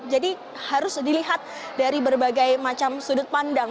jadi harus dilihat dari berbagai macam sudut pandang